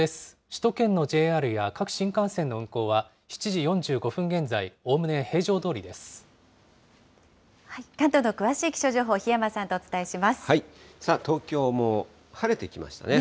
首都圏のＪＲや各新幹線の運行は、７時４５分現在、おおむね平常ど関東の詳しい気象情報、檜山東京も晴れてきましたね。